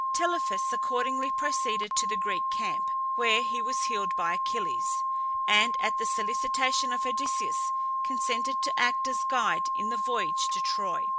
Telephus accordingly proceeded to the Greek camp, where he was healed by Achilles, and, at the solicitation of Odysseus, consented to act as guide in the voyage to Troy.